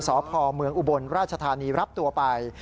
สพเมืองอุบลราชธานีรับตัวไป